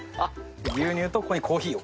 牛乳とここにコーヒーを。